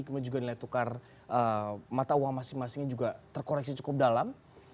kemudian juga nilai tukar mata uang masing masingnya juga terkoreksi cukup dalam